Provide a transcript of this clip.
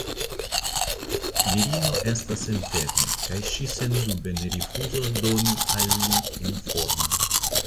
Virino estas interne kaj ŝi sendube ne rifuzos doni al li informojn.